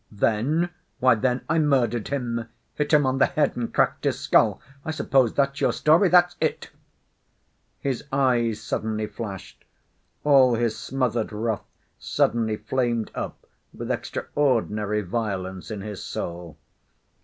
"Then? Why, then I murdered him ... hit him on the head and cracked his skull.... I suppose that's your story. That's it!" His eyes suddenly flashed. All his smothered wrath suddenly flamed up with extraordinary violence in his soul.